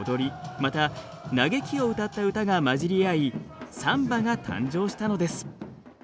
また嘆きを歌った歌が混じり合いサンバが誕生したのです。